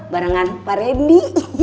barengan pak randy